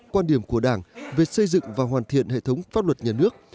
quan điểm của đảng về xây dựng và hoàn thiện hệ thống pháp luật nhà nước